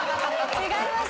違います。